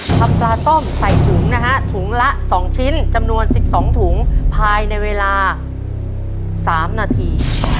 ทำปลาต้มใส่ถุงนะฮะถุงละ๒ชิ้นจำนวน๑๒ถุงภายในเวลา๓นาที